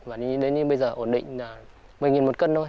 và đến như bây giờ ổn định là một mươi một cân thôi